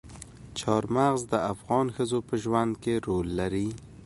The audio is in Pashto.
چار مغز د افغان ښځو په ژوند کې رول لري.